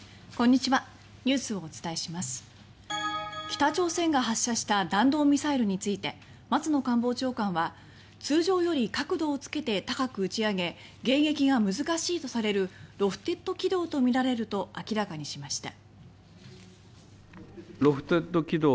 北朝鮮が発射した弾道ミサイルについて松野官房長官は通常より角度をつけて高く打ち上げ迎撃が難しいとされるロフテッド軌道とみられると明らかにしました。